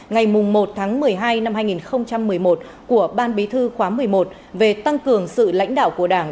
ngày một tháng một mươi hai năm hai nghìn một mươi một của ban bí thư khóa một mươi một về tăng cường sự lãnh đạo của đảng